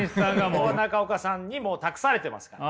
ここは中岡さんにもう託されてますから。